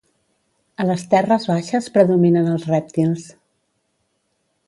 A les terres baixes predominen els rèptils.